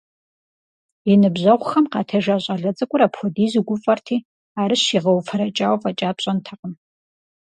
И ныбжьэгъухэм къатежа щӀалэ цӀыкӀур апхуэдизу гуфӀэрти, арыщ игъэуфэрэкӀауэ фӀэкӀа пщӀэнтэкъым.